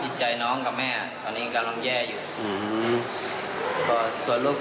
ได้ทั้งลุงเด็กไปสอบสวนแล้วค่ะ